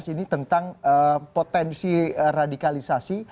ini tentang potensi radikalisasi